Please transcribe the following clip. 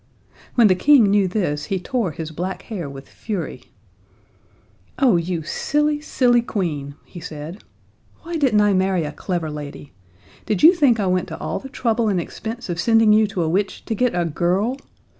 When the King knew this he tore his black hair with fury. "Oh, you silly, silly Queen!" he said. "Why didn't I marry a clever lady? Did you think I went to all the trouble and expense of sending you to a witch to get a girl?